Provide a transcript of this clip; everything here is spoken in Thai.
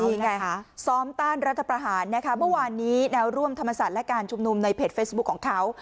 นี่ไงคะซ้อมต้านรัฐประหารนะคะเมื่อวานนี้แนวร่วมธรรมศาสตร์และการชุมนุมในเพจเฟซบุ๊คของเขา